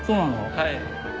はい。